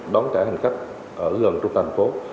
đón trả hành khách ở gần trung tâm thành phố